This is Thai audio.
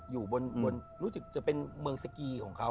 รู้จึกจะเป็นเมืองสกมือของเขา